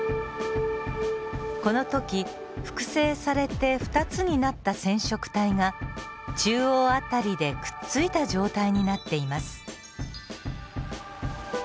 この時複製されて２つになった染色体が中央辺りでくっついた状態になっています。